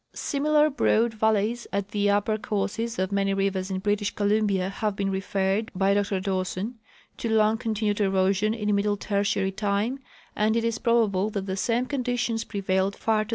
. Similar broad valleys at the upper courses of many rivers in British Columbia have been referred by Dr Dawson t to long continued erosion in middle Tertiary time, and it is probable that the same conditions prevailed far to the north * Mount St. Elias and its Glaciers: Am.